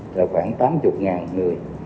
là khoảng tám mươi ngàn người